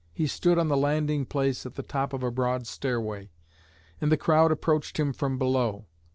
He stood on the landing place at the top of a broad stairway, and the crowd approached him from below.